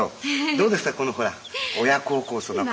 どうですかこのほら親孝行そうな顔。